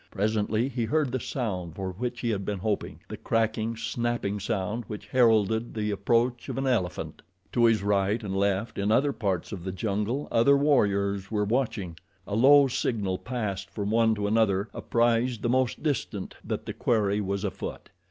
Presently he heard the sound for which he had been hoping the cracking, snapping sound which heralded the approach of an elephant. To his right and left in other parts of the jungle other warriors were watching. A low signal, passed from one to another, apprised the most distant that the quarry was afoot.